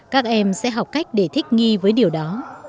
các em sẽ học cách để thích nghi với điều đó